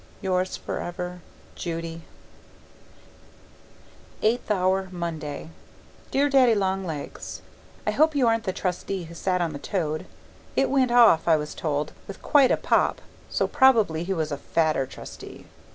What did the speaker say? Yours for ever, Judy 8th hour, Monday Dear Daddy Long Legs, I hope you aren't the Trustee who sat on the toad? It went off I was told with quite a pop, so probably he was a fatter Trustee.